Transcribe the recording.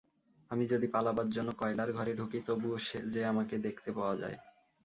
আমি যদি পালাবার জন্যে কয়লার ঘরে ঢুকি তবুও যে আমাকে দেখতে পাওয়া যায়।